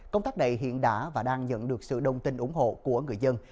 công tác này hiện đã và đang nhận được sự đông tin ủng hộ của người dân